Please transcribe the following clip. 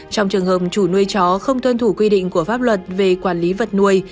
trong trường hợp chủ nuôi chó không tuân thủ quy định của pháp luật về quản lý vật nuôi